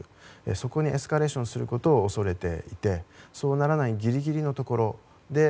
そこにエスカレーションすることを恐れていてそうならないぎりぎりのところで